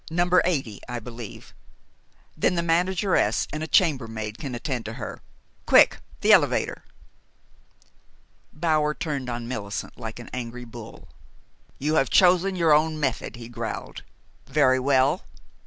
80, I believe, then the manageress and a chambermaid can attend to her. Quick! the elevator!" Bower turned on Millicent like an angry bull. "You have chosen your own method," he growled. "Very well.